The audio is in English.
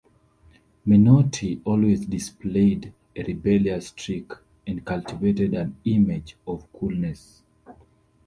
Menotti always displayed a rebellious streak and cultivated an image of coolness.